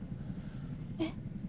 えっ？